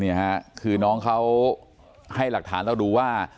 นี่ค่ะคือน้องเขาให้หลักฐานเราดูว่า